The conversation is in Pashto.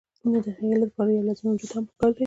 نو د هغې علت د پاره يو لازمي وجود هم پکار دے